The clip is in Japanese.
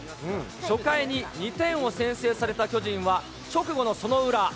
初回に２点を先制された巨人は、直後のその裏。